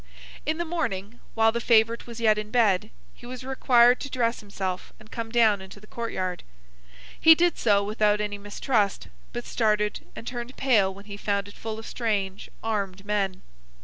In the morning, while the favourite was yet in bed, he was required to dress himself and come down into the court yard. He did so without any mistrust, but started and turned pale when he found it full of strange armed men.